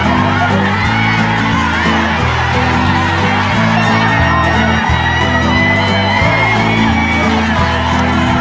โอฮ่าโอฮ่า